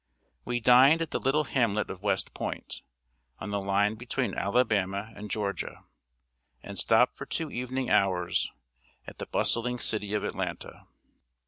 We dined at the little hamlet of West Point, on the line between Alabama and Georgia, and stopped for two evening hours at the bustling city of Atlanta.